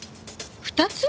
２つ？